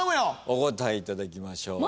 お答えいただきましょう。